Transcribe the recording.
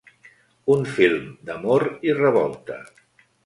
Un film d’amor i revolta.